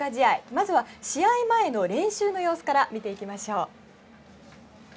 まずは試合前の練習の様子から見ていきましょう。